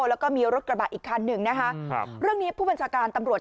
แล้วก็มีรถกระบะอีกคันหนึ่งนะคะครับเรื่องนี้ผู้บัญชาการตำรวจ